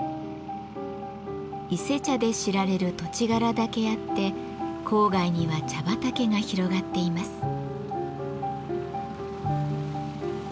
伊勢茶で知られる土地柄だけあって郊外には茶畑が広がっています。